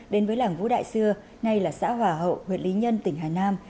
đến với làng vũ đại xưa ngay là xã hỏa hậu huyện lý nhân tỉnh hà nam